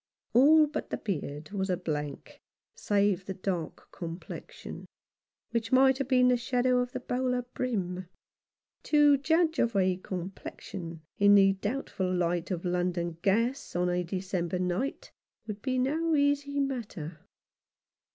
All but the beard was a blank, save the dark complexion, in Rough Justice. which might have been the shadow of the bowler brim. To judge of a complexion in the doubtful light of London gas on a December night would be no easy matter.